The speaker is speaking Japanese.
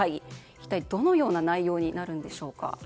一体どのような内容になるんでしょうか。